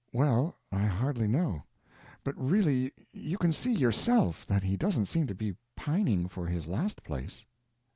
"Well, I hardly know, but really you can see, yourself, that he doesn't seem to be pining for his last place."